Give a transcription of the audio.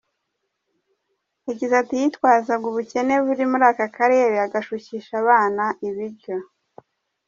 Yagize ati”Yitwazaga ubukene buri muri aka karere agashukisha abana ibiryo.